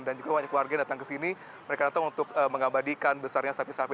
dan juga banyak warga yang datang ke sini mereka datang untuk mengabadikan besarnya sapi sapi